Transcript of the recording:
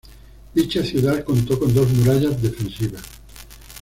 Dicha ciudad contó con dos murallas defensivas.